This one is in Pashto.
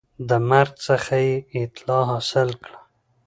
د مرګ څخه یې اطلاع حاصل کړه